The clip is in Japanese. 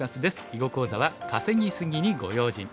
囲碁講座は「稼ぎ過ぎにご用心」。